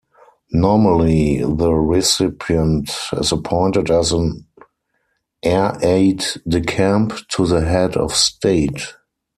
Normally the recipient is appointed as an air aide-de-camp to the head of state.